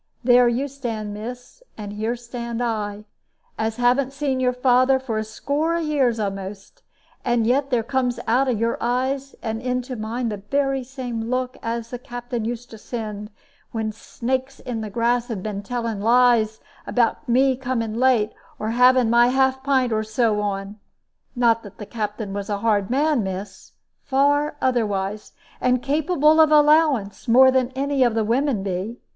There you stand, miss, and here stand I, as haven't seen your father for a score of years a'most; and yet there comes out of your eyes into mine the very same look as the Captain used to send, when snakes in the grass had been telling lies about me coming late, or having my half pint or so on. Not that the Captain was a hard man, miss far otherwise, and capable of allowance, more than any of the women be.